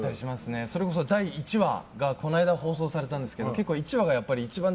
それこそ第１話この間放送されたんですけど結構１話が一番。